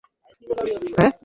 দানব মানে সে পাহাড়কে বুঝিয়েছে।